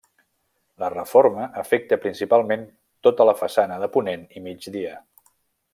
La reforma afecta principalment tota la façana de ponent i migdia.